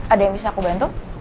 ada yang bisa aku bantu